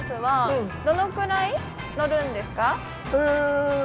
うん。